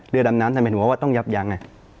ดำน้ำทำไมถึงบอกว่าต้องยับยั้ง